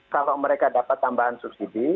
kalau mereka dapat tambahan subsidi